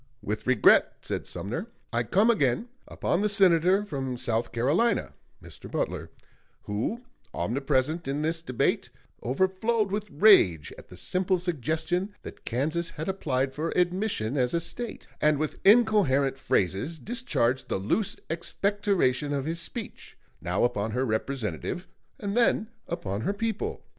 With regret [said Sumner], I come again upon the Senator from South Carolina [Mr. Butler], who, omnipresent in this debate, overflowed with rage at the simple suggestion that Kansas had applied for admission as a State; and with incoherent phrases discharged the loose expectoration of his speech, now upon her representative and then upon her people.